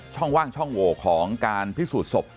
ช่องว่างช่องโหวของการพิสูจน์ศพ